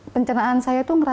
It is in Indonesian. pencernaan saya itu ngerasa